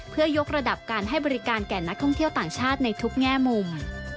เพื่อยกระดับการให้บริการแก่นักท่องเที่ยวต่างชาติในทุกแง่มุม